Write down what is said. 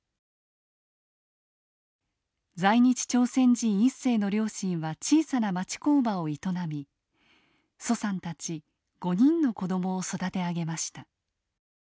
在日朝鮮人一世の両親は小さな町工場を営み徐さんたち５人の子どもを育て上げました。